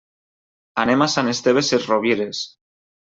Anem a Sant Esteve Sesrovires.